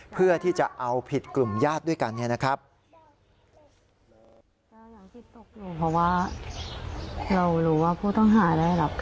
เพื่อที่จะเอาผิดกลุ่มญาติด้วยกันเนี่ยนะครับ